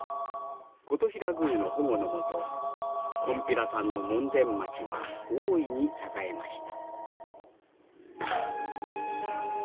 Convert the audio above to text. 金刀比羅宮の保護の下こんぴらさんの門前町は大いに栄えました。